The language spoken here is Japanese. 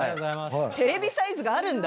テレビサイズがあるんだ。